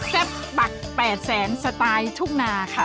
แซ่บปักแปดแสนสไตล์ทุ่งนาค่ะ